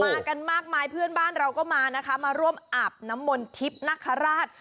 กันมากมายเพื่อนบ้านเราก็มานะคะมาร่วมอาบน้ำมนทิพย์นคราช